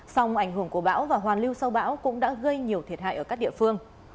song ảnh hưởng của bão và hoàn lưu sau bão cũng đã gây nhiều thiệt hại ở các địa phương